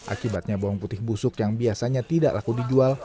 akibatnya bawang putih busuk yang biasanya tidak laku dijual